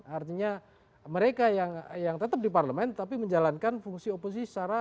artinya mereka yang tetap di parlemen tapi menjalankan fungsi oposisi secara